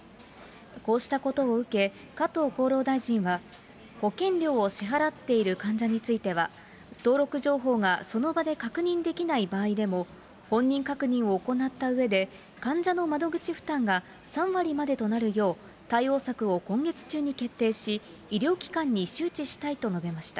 こうしたことを受け、加藤厚労大臣は、保険料を支払っている患者については、登録情報がその場で確認できない場合でも、本人確認を行ったうえで、患者の窓口負担が３割までとなるよう、対応策を今月中に決定し、医療機関に周知したいと述べました。